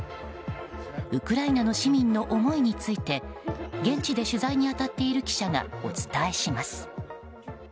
ウクライナの市民の思いについて現地で取材に当たっている記者がお伝えします。